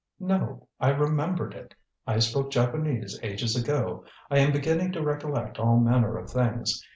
"No; I remembered it. I spoke Japanese ages ago. I am beginning to recollect all manner of things.